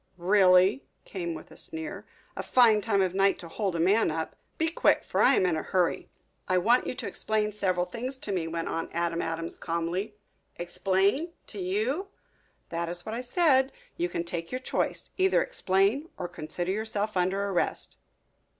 "Really?" came with a sneer. "A fine time of night to hold a man up. Be quick, for I am in a hurry." "I want you to explain several things to me," went on Adam Adams calmly. "Explain? To you?" "That is what I said. You can take your choice. Either explain or consider yourself under arrest."